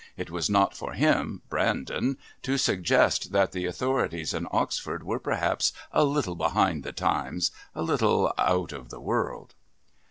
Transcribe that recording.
It was not for him, Brandon, to suggest that the authorities in Oxford were perhaps a little behind the times, a little out of the world.